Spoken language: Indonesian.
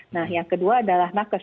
nah yang kedua adalah nakes